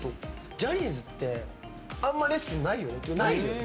ジャニーズってあんまりレッスンないよね。